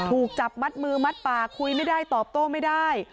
ถูกจับมัดมือมัดปากคุยไม่ได้ตอบโต้ไม่ได้